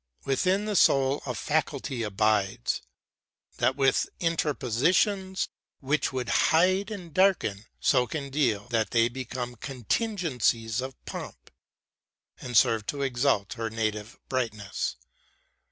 Within the soul a faculty abides, That with interpositions, which would hide And darken, so can deal that they become Contingencies of pomp ; and serve to exalt Her native brightness.